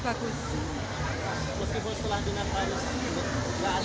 meskipun setelah dinan faris